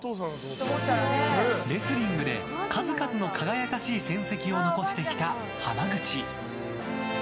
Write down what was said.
レスリングで、数々の輝かしい戦績を残してきた浜口。